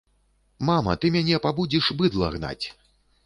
Мама, ты мяне пабудзіш быдла гнаць!